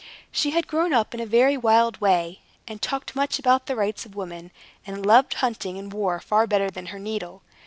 She had grown up in a very wild way, and talked much about the rights of women, and loved hunting and war far better than her needle.